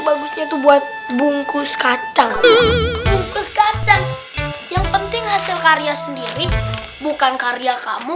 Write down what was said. bagusnya itu buat bungkus kacang bungkus kacang yang penting hasil karya sendiri bukan karya kamu